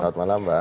selamat malam mbak